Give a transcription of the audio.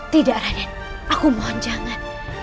tidak raden aku mohon jangan